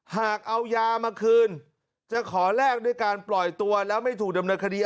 หากเอายามาคืนจะขอแลกด้วยการปล่อยตัวแล้วไม่ถูกดำเนินคดี